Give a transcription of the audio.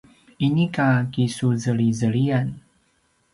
inika kisuzelizeliyan